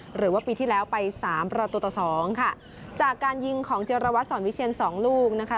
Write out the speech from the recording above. หรือว่าปีที่แล้วไปสามประตูต่อสองค่ะจากการยิงของเจรวัตรสอนวิเชียนสองลูกนะคะ